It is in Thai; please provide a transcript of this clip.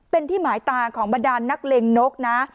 เป็นที่หมายตาของบรรดานนักเลงนกนะ